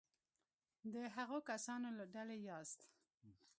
د هغو کسانو له ډلې یاست.